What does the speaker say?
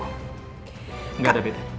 gak ada bete